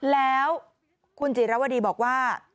แล้วคุณจิรวดีบอกว่า